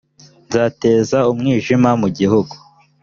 nzateza umwijima mu gihugu